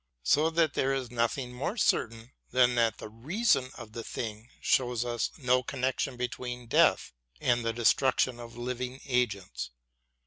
... So that there is nothing more certain than that the reason of the thing shows us no connection between death and the destruction of living 210 BROWNING AND BUTLER agents.